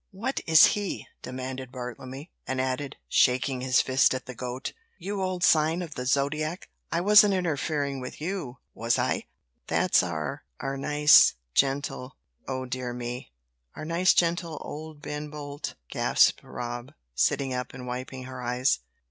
"What is he?" demanded Bartlemy, and added, shaking his fist at the goat: "You old sign of the zodiac, I wasn't interfering with you, was I?" "That's our our nice gentle oh, dear me! our nice, gentle, old Ben Bolt," gasped Rob, sitting up and wiping her eyes.